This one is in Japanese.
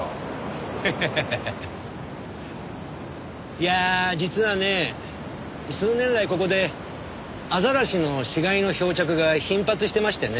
いや実はね数年来ここでアザラシの死骸の漂着が頻発してましてね。